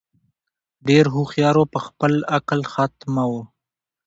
ډېر هوښیار وو په خپل عقل خامتماوو